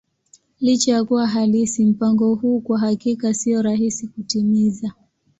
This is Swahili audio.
Licha ya kuwa halisi, mpango huu kwa hakika sio rahisi kutimiza.